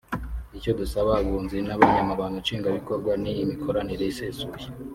icyo dusaba abunzi n’abanyamabanga nshingwabikorwa ni imikoranire isesuye”